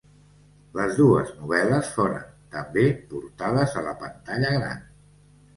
Les dues novel·les foren, també, portades a la pantalla gran.